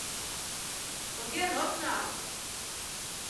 — Поген от нал!